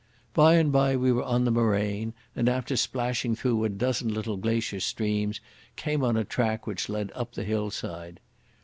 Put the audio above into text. By and by we were on the moraine, and after splashing through a dozen little glacier streams came on a track which led up the hillside.